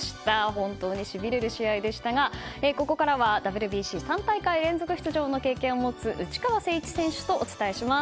本当にしびれる試合でしたがここからはＷＢＣ３大会連続出場の経験を持つ内川聖一選手とお伝えします。